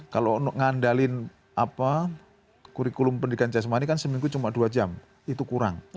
kalau ngandalin kurikulum pendidikan jasmani kan seminggu cuma dua jam itu kurang